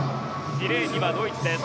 ２レーンにはドイツです。